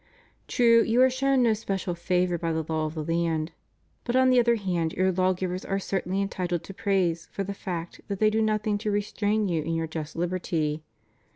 True, you are shown no special favor by the law of the land, but on the other hand your lawgivers are certainly entitled to praise for the fact that they do nothing to restrain you in your just liberty.